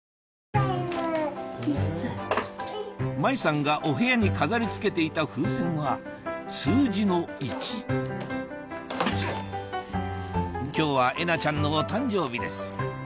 麻衣さんがお部屋に飾りつけていた風船は数字の１今日はえなちゃんのお誕生日です